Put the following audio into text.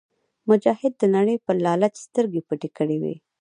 مجاهد د نړۍ پر لالچ سترګې پټې کړې وي.